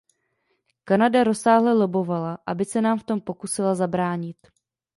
Kanada rozsáhle lobbovala, aby se nám v tom pokusila zabránit.